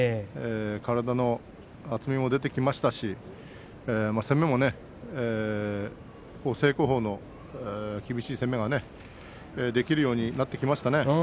体の厚みも出てきましたし攻めも、正攻法の厳しい攻めができるようになってきましたね。